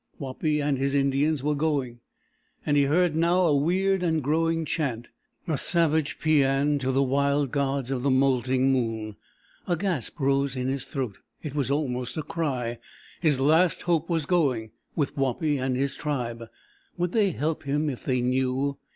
Wapi and his Indians were going, and he heard now a weird and growing chant, a savage paean to the wild gods of the Moulting Moon. A gasp rose in his throat. It was almost a cry. His last hope was going with Wapi and his tribe! Would they help him if they knew?